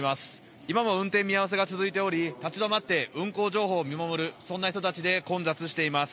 今も運転見合わせが続いており、立ち止まって運行情報を見守る人たちで混雑しています。